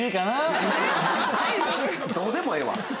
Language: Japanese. どうでもええわ。